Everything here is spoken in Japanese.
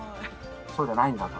そうじゃないんだと。